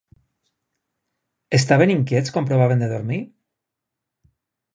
Estaven inquiets quan provaven de dormir?